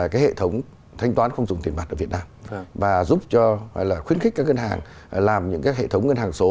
cái hệ thống thanh toán không dùng tiền mạt ở việt nam và giúp cho hay là khuyến khích các ngân hàng làm những các hệ thống ngân hàng số